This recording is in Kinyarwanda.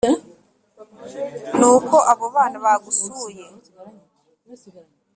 ni uko abo bana bagusuye